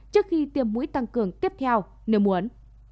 trước khi tiêm mũi tăng cường tiếp theo nếu muốn